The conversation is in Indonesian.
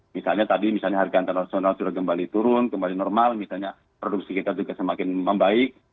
misalnya tadi misalnya harga internasional sudah kembali turun kembali normal misalnya produksi kita juga semakin membaik